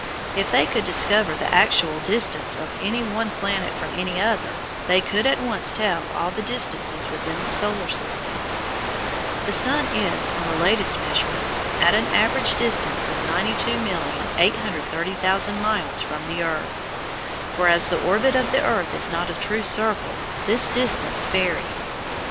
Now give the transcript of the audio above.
If they could discover the actual distance of any one planet from any other, they could at once tell all the distances within the Solar System. The sun is, on the latest measurements, at an average distance of 92,830,000 miles from the earth, for as the orbit of the earth is not a true circle, this distance varies.